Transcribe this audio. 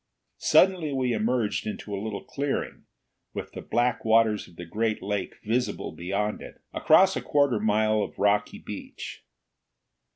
Suddenly we emerged into a little clearing, with the black waters of the great lake visible beyond it, across a quarter mile of rocky beach.